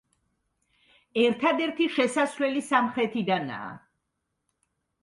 ერთადერთი შესასვლელი სამხრეთიდანაა.